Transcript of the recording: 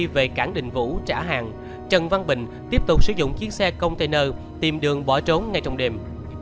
về cảng đình vũ trả hàng trần văn bình tiếp tục sử dụng chiếc xe container tìm đường bỏ trốn ngay trong đêm